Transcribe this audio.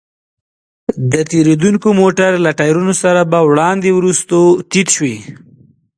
د تېرېدونکو موټرو له ټايرونو سره به وړاندې وروسته تيت شوې.